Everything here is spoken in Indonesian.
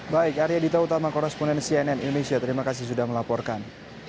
baik arya dita utama koresponen cnn indonesia terima kasih sudah melaporkan